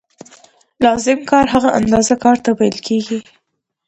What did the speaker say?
لازم کار هغه اندازه کار ته ویل کېږي